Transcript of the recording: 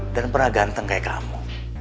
dan pernah ganteng kayak kamu